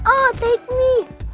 oh take me